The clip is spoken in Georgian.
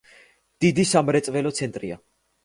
დიდი სამრეწველო ცენტრია.